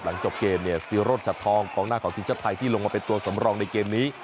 จบเกมเนี่ยซีโรสชัดทองกองหน้าของทีมชาติไทยที่ลงมาเป็นตัวสำรองในเกมนี้